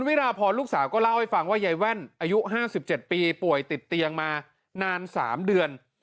วิราพรลูกสาวก็เล่าให้ฟังว่ายายแว่นอายุ๕๗ปีป่วยติดเตียงมานาน๓เดือน